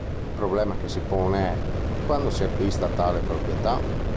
Il problema che si pone è: quando si acquista tale proprietà?